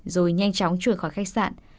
rồi nhanh chóng chuyển khỏi khách sạn